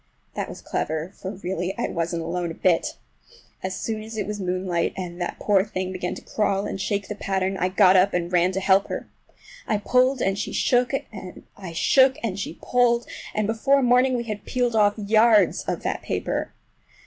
That was clever, for really I wasn't alone a bit! As soon as it was moonlight, and that poor thing began to crawl and shake the pattern, I got up and ran to help her. I pulled and she shook, I shook and she pulled, and before morning we had peeled off yards of that paper.